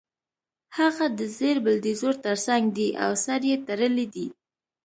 هغه د زېړ بلډیزور ترڅنګ دی او سر یې تړلی دی